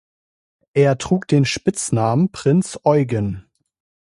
Er trug den Spitznamen „Prinz Eugen“.